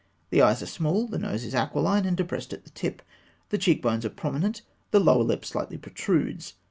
The eyes are small; the nose is aquiline and depressed at the tip; the cheekbones are prominent; the lower lip slightly protrudes.